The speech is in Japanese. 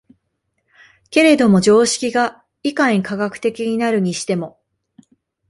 けれども常識がいかに科学的になるにしても、